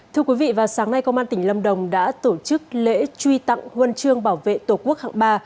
thưa quý vị vào sáng nay công an tỉnh lâm đồng đã tổ chức lễ truy tặng huân chương bảo vệ tổ quốc hạng ba